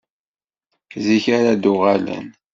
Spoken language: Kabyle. Zik ara d-uɣalen?